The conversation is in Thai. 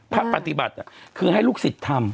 พระปฏิบัติคือให้ลูกศิษย์ทำ